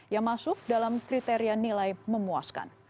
yang masuk dalam kriteria nilai memuaskan